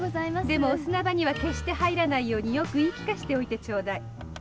でもお砂場には決して入らないようによく言い聞かせておいてちょうだい。